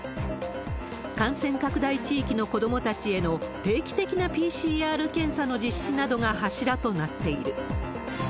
感染拡大地域の子どもたちへの定期的なＰＣＲ検査の実施などが柱となっている。